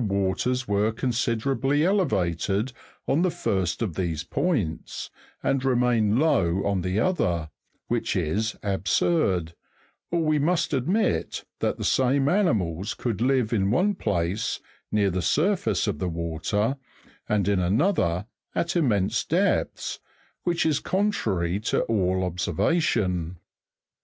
155 waters were considerably elevated on the first of these points, and remained low on the other, which is absurd, or we must admit that the same animals could live in one place, near the surface of the water, and in another, at immense depths, which is contrary to all observation.